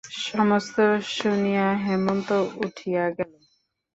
সমস্ত শুনিয়া হেমন্ত উঠিয়া গেল।